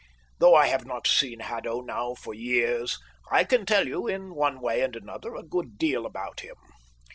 Though I have not seen Haddo now for years, I can tell you, in one way and another, a good deal about him.